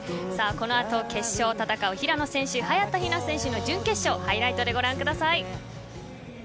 この後決勝を戦う平野選手、早田ひな選手の準決勝ハイライトでご覧ください。